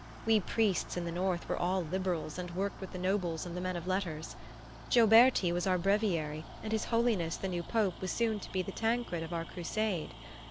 We priests in the north were all liberals and worked with the nobles and the men of letters. Gioberti was our breviary and his Holiness the new Pope was soon to be the Tancred of our crusade.